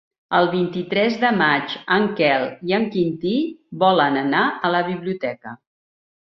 El vint-i-tres de maig en Quel i en Quintí volen anar a la biblioteca.